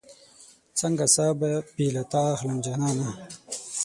څنګه ساه به بې له تا اخلم جانانه